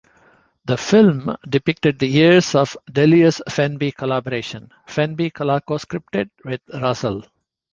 The film depicted the years of the Delius-Fenby collaboration; Fenby co-scripted with Russell.